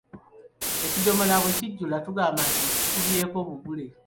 Ekidomola bwe kijjula tugamba nti “Kikubyeko bugule.”